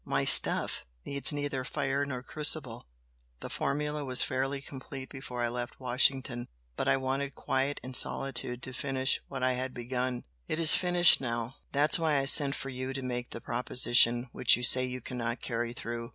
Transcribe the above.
My 'stuff' needs neither fire nor crucible, the formula was fairly complete before I left Washington, but I wanted quiet and solitude to finish what I had begun. It is finished now. That's why I sent for you to make the proposition which you say you cannot carry through."